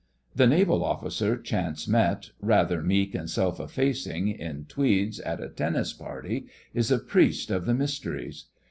The Naval Officer chance met, rather meek and self effacing, in tweeds, at a tennis party, is a priest of the mysteries.